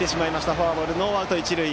フォアボールノーアウト、一塁。